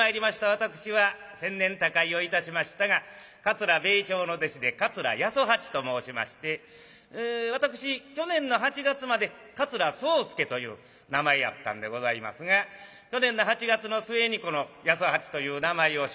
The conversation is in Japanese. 私は先年他界をいたしましたが桂米朝の弟子で桂八十八と申しまして私去年の８月まで桂宗助という名前やったんでございますが去年の８月の末にこの八十八という名前を襲名いたしましてね。